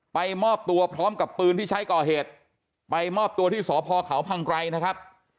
มอบตัวพร้อมกับปืนที่ใช้ก่อเหตุไปมอบตัวที่สพเขาพังไกรนะครับ